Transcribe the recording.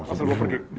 langsung dibawa pergi